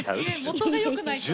元が良くないと。